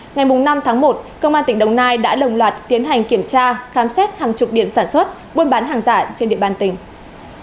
ngày năm tháng một công an tỉnh đồng nai đã đồng loạt tiến hành kiểm tra khám xét hàng chục điểm sản xuất buôn bán hàng giả trên địa bàn tỉnh